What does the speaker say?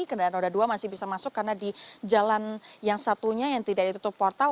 kendaraan roda dua masih bisa masuk karena di jalan yang satunya yang tidak ditutup portal